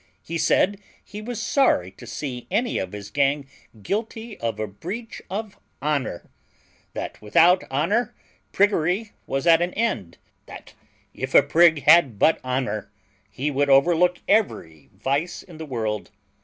He said he was sorry to see any of his gang guilty of a breach of honour; that without honour PRIGGERY was at an end; that if a prig had but honour he would overlook every vice in the world.